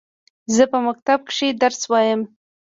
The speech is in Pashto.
زه په مکتب کښي درس وايم.